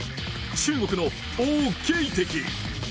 中国の王ゲイ迪。